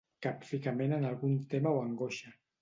Capficament en algun tema o angoixa.